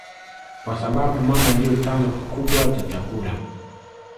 kwasababu mama ndio chanzo kikubwa cha chakula